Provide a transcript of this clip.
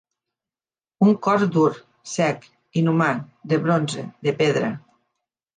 Un cor dur, sec, inhumà, de bronze, de pedra.